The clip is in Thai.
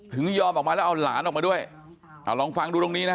ถึงยอมออกมาแล้วเอาหลานออกมาด้วยเอาลองฟังดูตรงนี้นะฮะ